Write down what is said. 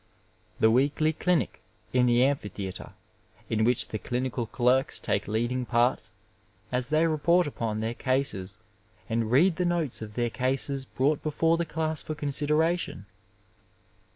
The WeeUy Clinic in the amphitheatre, in which the clinical clerks take leading parts, as they report upon their cases and read the notes of their cases brought before the class for consideration.